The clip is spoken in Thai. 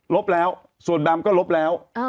บแล้วส่วนดำก็ลบแล้ว